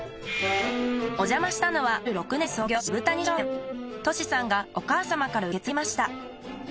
おじゃましたのはトシさんがお母様から受け継ぎました。